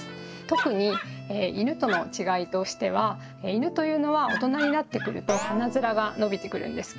特にイヌとの違いとしてはイヌというのは大人になってくると鼻面が伸びてくるんですけれども。